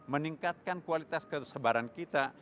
meningkatkan kualitas kesebaran kita